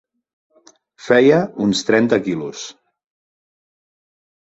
Feia uns trenta quilos.